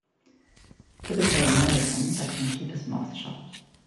Typical American that can keep his mouth shut.